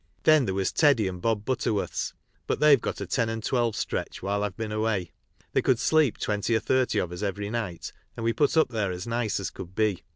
Then there was Teddy and Bob Butterworth's ; but they've got a ten and twelve stretch while IVe been away. They could sleep twenty or thirty of us every night, and we put up there as nice as could be.